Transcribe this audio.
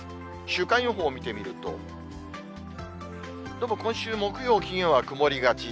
週間予報を見てみると、どうも今週木曜、金曜は曇りがち。